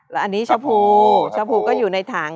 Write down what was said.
แล้วอันนี้เช้าผู้เช้าผู้ก็อยู่ในถัง